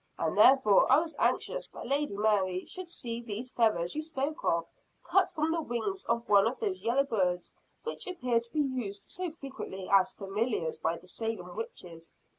And therefore I was anxious that Lady Mary should see these feathers you spoke of, cut from the wings of one of those yellow birds which appear to be used so frequently as familiars by the Salem witches."